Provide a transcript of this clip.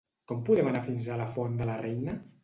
Com podem anar fins a la Font de la Reina?